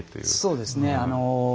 そうですね。